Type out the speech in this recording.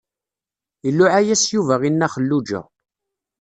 Iluɛa-yas Yuba i Nna Xelluǧa.